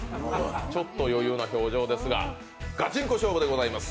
ちょっと余裕な表情ですがガチンコ勝負でございます。